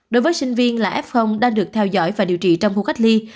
đối với sinh viên là f đang được theo dõi và điều trị trong khu cách ly